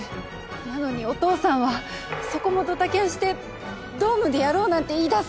なのにお父さんはそこもドタキャンしてドームでやろうなんて言いだすから。